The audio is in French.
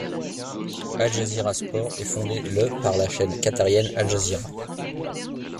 Al Jazeera Sport est fondée le par la chaîne qatarienne Al Jazeera.